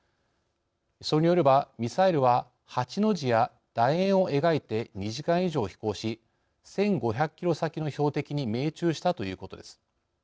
それによればミサイルは８の字やだ円を描いて２時間以上飛行し１５００キロ先の標的に命中したということです。